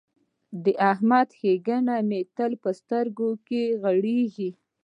د احمد ښېګڼې مې تل په سترګو کې غړېږي.